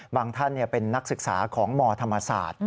ท่านเป็นนักศึกษาของมธรรมศาสตร์